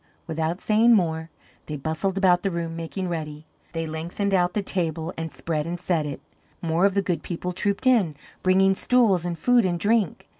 Without saying more, they bustled about the room making ready. They lengthened out the table and spread and set it; more of the Good People trooped in, bringing stools and food and drink.